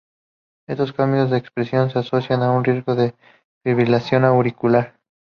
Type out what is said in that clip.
Estos cambios de expresión se asocian con riesgo de fibrilación auricular.